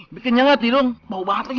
bikin nyangat itu bau banget lagi